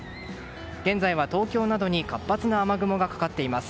現在は東京などに活発な雨雲がかかっています。